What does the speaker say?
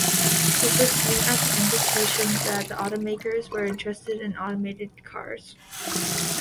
This was seen as an indication that the automakers were interested in automated cars.